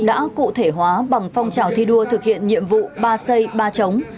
đã cụ thể hóa bằng phong trào thi đua thực hiện nhiệm vụ ba xây ba chống